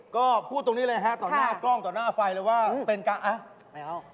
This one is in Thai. ก็พูดตรงนี้เลยฮะต่อหน้ากล้องต่อหน้าไฟเลยว่าเป็นการอ่ะไม่เอา